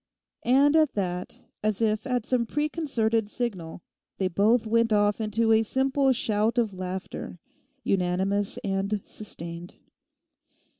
And at that, as if at some preconcerted signal, they both went off into a simple shout of laughter, unanimous and sustained.